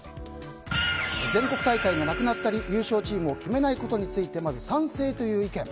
全国大会がなくなったり優勝チームを決めないことについての賛成という意見。